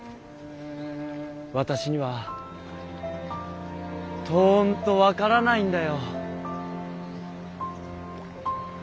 私にはとんと分からないんだよ。